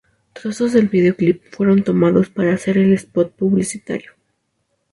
Trozos del videoclip fueron tomados para hacer el spot publicitario.